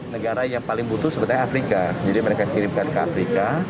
negara yang paling butuh sebenarnya afrika jadi mereka kirimkan ke afrika